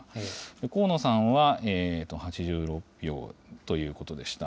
河野さんは８６票ということでした。